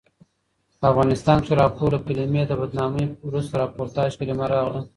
په افغانستان کښي راپور له کلمې د بدنامي وروسته راپورتاژ کلیمه راغله.